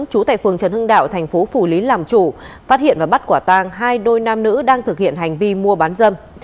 chú tại phường trần hưng đạo thành phố phủ lý làm chủ phát hiện và bắt quả tang hai đôi nam nữ đang thực hiện hành vi mua bán dâm